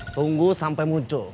tunggu sampai muncul